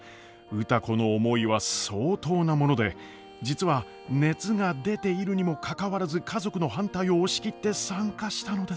歌子の思いは相当なもので実は熱が出ているにもかかわらず家族の反対を押し切って参加したのです。